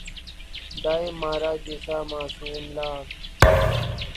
دائیں مارا جسا معصوم لاگ